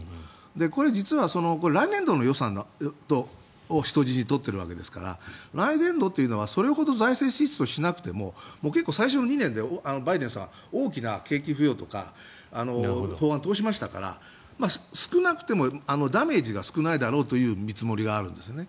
これ実は、来年度の予算を人質に取っているわけですから来年度というのはそれほど財政支出をしなくても結構、最初の２年でバイデンさん大きな景気浮揚とか法案を通しましたから少なくともダメージが少ないだろうという見積もりがあるんですね。